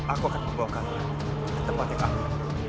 aku akan membawa kalian ke tempat yang amat